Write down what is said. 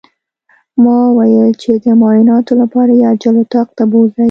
ما ويل چې د معايناتو لپاره يې عاجل اتاق ته بوځئ.